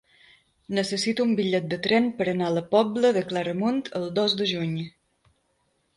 Necessito un bitllet de tren per anar a la Pobla de Claramunt el dos de juny.